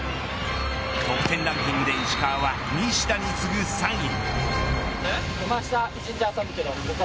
得点ランキングで石川は西田に次ぐ３位。